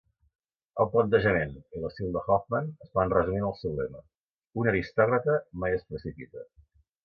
El plantejament i l'estil de Hofmann es poden resumir en el seu lema "un aristòcrata mai es precipita".